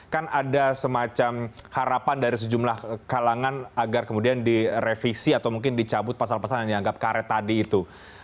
kan ada semacam harapan dari sejumlah kalangan agar kemudian direvisi atau mungkin dicabut pasal pasal yang dianggap karet tadi itu